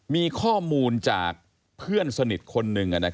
มีข้อมูลจากเพื่อนสนิทคนหนึ่ง